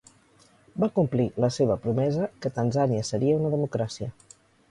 Va complir la seva promesa que Tanzània seria una democràcia.